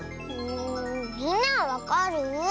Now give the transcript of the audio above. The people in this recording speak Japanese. みんなはわかる？